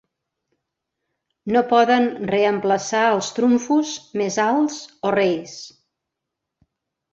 No poden reemplaçar els trumfos més alts o reis.